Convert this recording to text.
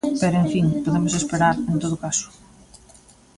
Pero, en fin, podemos esperar, en todo caso.